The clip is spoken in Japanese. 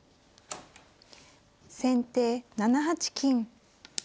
先手７八金。